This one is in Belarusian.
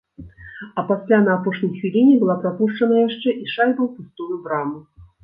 А пасля на апошняй хвіліне была прапушчана яшчэ і шайба ў пустую браму.